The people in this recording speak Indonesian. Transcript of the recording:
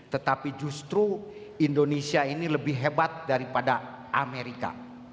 tetapi justru indonesia ini lebih hebat daripada amerika